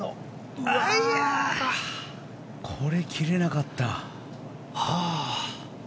これ、切れなかった。